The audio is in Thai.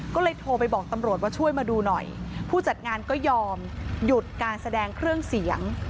ก็เลยโทรไปบอกตำรวจว่าช่วยมาดูหน่อยผู้จัดงานก็ยอมหยุดการแสดงเครื่องเสียง